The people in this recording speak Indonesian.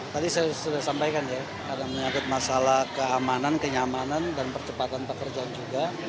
tadi saya sudah sampaikan ya ada menyangkut masalah keamanan kenyamanan dan percepatan pekerjaan juga